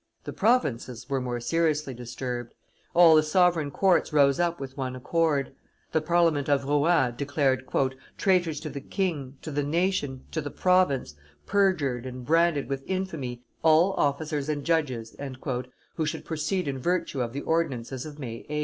The provinces were more seriously disturbed. All the sovereign courts rose up with one accord; the Parliament of Rouen declared "traitors to the king, to the nation, to the province, perjured and branded with infamy, all officers and judges" who should proceed in virtue of the ordinances of May 8.